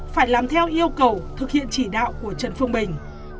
phải làm theo yêu cầu thực hiện chỉ đạo của trần phương bình